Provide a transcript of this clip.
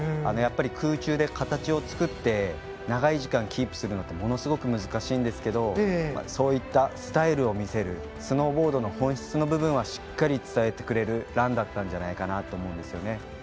やっぱり空中で形を作って長い時間キープすることはものすごく難しいんですがそういったスタイルを見せるスノーボードの本質の部分はしっかり伝えてくれるランだったんじゃないかと思います。